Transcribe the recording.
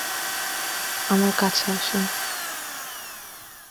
আমার কাছে আসুন।